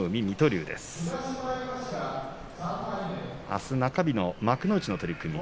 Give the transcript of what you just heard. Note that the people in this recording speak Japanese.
あす中日の幕内の取組